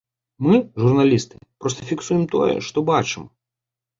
Мы, журналісты, проста фіксуем тое, што бачым.